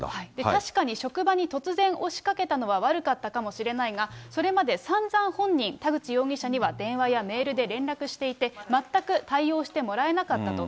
確かに職場に突然押しかけたのは悪かったかもしれないが、それまでさんざん本人、田口容疑者には電話やメールで連絡していて、全く対応してもらえなかったと。